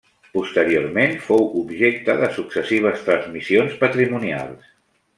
Posteriorment fou objecte de successives transmissions patrimonials.